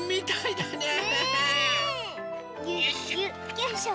よいしょ！